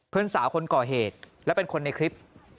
เพื่อนสาวคนก่อเหตุและเป็นคนในคลิป